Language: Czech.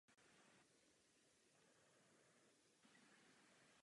Proto musíme urychleně změnit politiku.